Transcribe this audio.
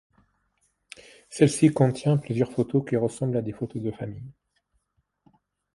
Celle-ci contient plusieurs photos qui ressemblent à des photos de familles.